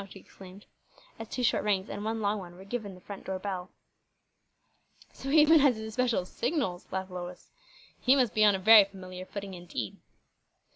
she exclaimed, as two short rings and one long one were given the front door bell. "So he even has his especial signals," laughed Lois. "He must be on a very familiar footing, indeed."